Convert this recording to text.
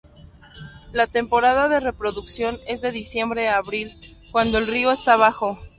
La temporada de reproducción es de diciembre a abril, cuando el río está bajo.